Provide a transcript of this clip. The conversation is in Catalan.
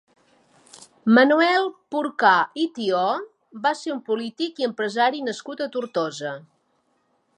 Manuel Porcar i Tió va ser un polític i empresari nascut a Tortosa.